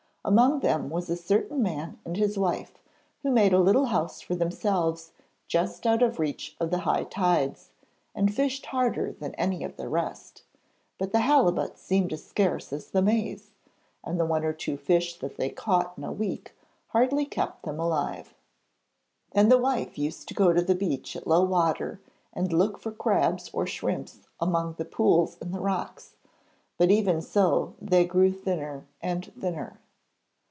Among them was a certain man and his wife who made a little house for themselves just out of reach of the high tides, and fished harder than any of the rest; but the halibut seemed as scarce as the maize, and the one or two fish that they caught in a week hardly kept them alive. Then the wife used to go to the beach at low water and look for crabs or shrimps among the pools in the rocks, but even so they grew thinner and thinner.